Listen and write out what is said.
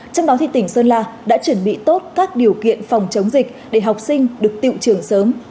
trong đó thì tỉnh sơn la đã chuẩn bị tốt các điều kiện phòng chống dịch để học sinh được tự trưởng sớm